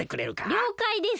りょうかいです。